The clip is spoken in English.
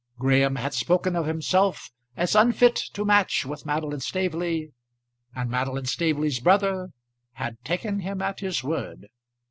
Graham had spoken of himself as unfit to match with Madeline Staveley, and Madeline Staveley's brother had taken him at his word.